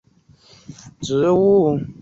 中华卫矛是卫矛科卫矛属的植物。